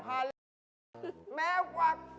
หาแม่หวัก